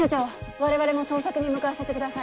我々も捜索に向かわせてください。